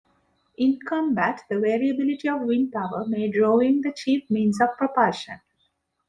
In combat, the variability of wind power made rowing the chief means of propulsion.